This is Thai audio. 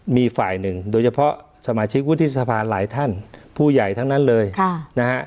มีฝ่ายหนึ่งโดยเฉพาะสมาชิกวุฒิสภาหลายท่านผู้ใหญ่ทั้งนั้นเลยนะฮะ